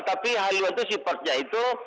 tapi halo itu sifatnya itu